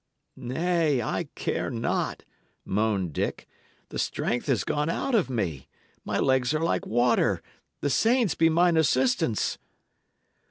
"Nay, I care not," moaned Dick; "the strength is gone out of me; my legs are like water. The saints be mine assistance!"